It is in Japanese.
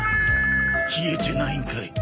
冷えてないんかい。